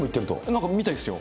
なんか見たんですよ。